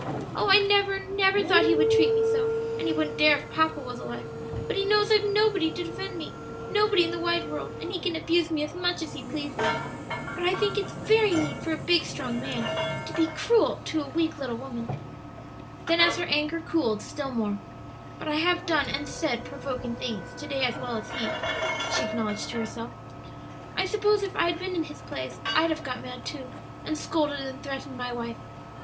"Oh, I never, never thought he would treat me so! and he wouldn't dare if papa was alive; but he knows I've nobody to defend me nobody in the wide world, and he can abuse me as much as he pleases. But I think it's very mean for a big strong man to be cruel to a little weak woman." Then as her anger cooled still more, "But I have done and said provoking things to day as well as he," she acknowledged to herself. "I suppose if I'd been in his place I'd have got mad, too, and scolded and threatened my wife.